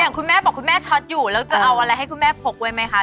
คุณแม่บอกคุณแม่ช็อตอยู่แล้วจะเอาอะไรให้คุณแม่พกไว้ไหมคะ